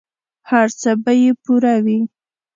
هر څه به یې پوره وي.